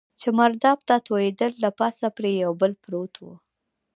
چې مرداب ته توېېدل، له پاسه پرې یو پل پروت و.